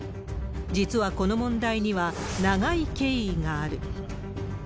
実はこの問題には長い経緯がある。